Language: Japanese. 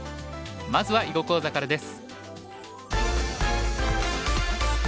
まずは囲碁講座からです。